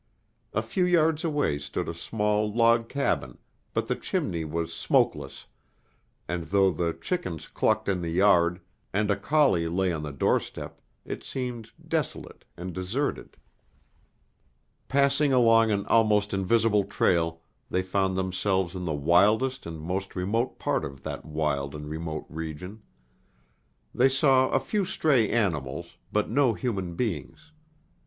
A few yards away stood a small log cabin, but the chimney was smokeless, and though the chickens clucked in the yard, and a collie lay on the doorstep, it seemed desolate and deserted. Passing along an almost invisible trail, they found themselves in the wildest and most remote part of that wild and remote region. They saw a few stray animals, but no human beings.